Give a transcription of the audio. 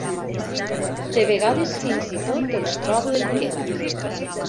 De vegades fins i tot els trobo el què.